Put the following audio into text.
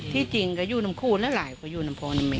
ที่จริงก็อยู่น้ำคู่แล้วหลายคนอยู่น้ำพ่อน้ำแม่